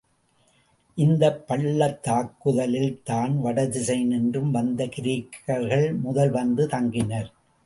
இந்தப் பள்ளத்தாக்குகளில்தான் வடதிசையினின்றும் வந்த கிரேக்கர்கள் முதல் வந்து தங்கினர்.